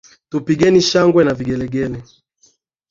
Tupigeni shangwe na vigelegele.